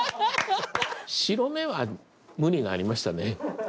「白目」は無理がありましたね。